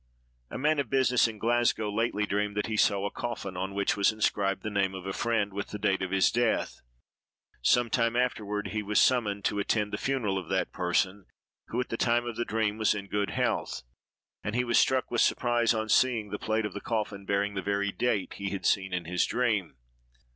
A man of business, in Glasgow, lately dreamed that he saw a coffin, on which was inscribed the name of a friend, with the date of his death. Some time afterward he was summoned to attend the funeral of that person, who, at the time of the dream, was in good health, and he was struck with surprise on seeing the plate of the coffin bearing the very date he had seen in his dream.